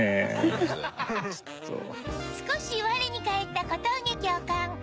少し我に返った小峠教官